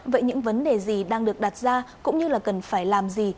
vậy những vấn đề gì đang được đặt ra cũng như là cần phải làm gì